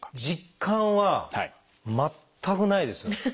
実感は全くないです。